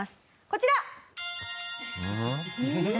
こちら！